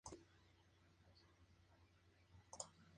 Es uno de los planetarios más importantes de Lima y del Perú.